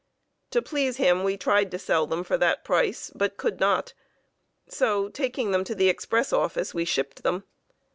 To please him we tried to sell them for that price, but could not, so, taking them to the express office, we shipped them.